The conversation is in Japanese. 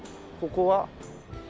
ここは？